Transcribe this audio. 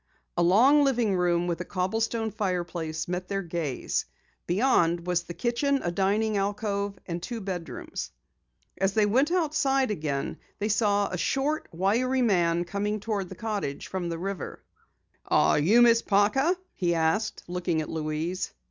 A long living room with a cobblestone fireplace met their gaze. Beyond was the kitchen, a dining alcove, and two bedrooms. As they went outside again, they saw a short, wiry man coming toward the cottage from the river. "You're Miss Parker?" he asked, looking at Louise.